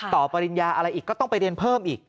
ปริญญาอะไรอีกก็ต้องไปเรียนเพิ่มอีก